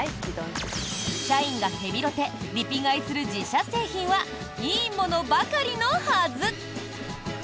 社員がヘビロテ・リピ買いする自社製品はいいものばかりのはず！